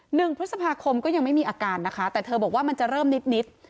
หนึ่งพฤษภาคมก็ยังไม่มีอาการนะคะแต่เธอบอกว่ามันจะเริ่มนิดนิด